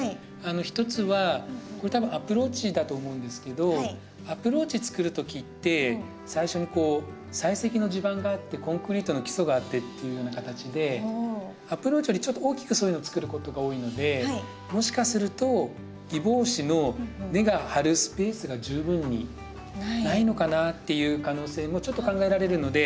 １つはこれ多分アプローチだと思うんですけどアプローチを作る時って最初にこう砕石の地盤があってコンクリートの基礎があってっていうような形でアプローチよりちょっと大きくそういうのを作ることが多いのでもしかするとギボウシの根が張るスペースが十分にないのかなっていう可能性もちょっと考えられるので。